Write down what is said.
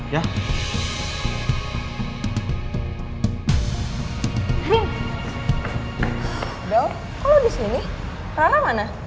deo kok lo di sini rara mana